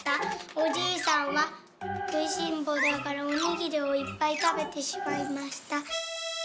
おじいさんはくいしんぼうだからおにぎりをいっぱいたべてしまいました」。